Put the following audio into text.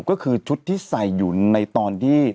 ก็คือชุดที่ใส่อยู่ในตอนที่